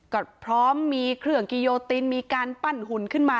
ก็พร้อมมีเครื่องกิโยตินมีการปั้นหุ่นขึ้นมา